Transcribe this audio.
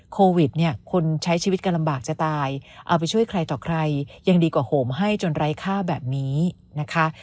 โควิดเนี่ยคนใช้ชีวิตกันลำบากจะตายเอาไปช่วยใครต่อใครยังดีกว่าโหมให้จนไร้ค่าแบบนี้นะคะ